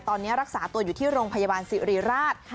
ตอนนี้รักษาตัวอยู่ที่โรงพยาบาลสิริราช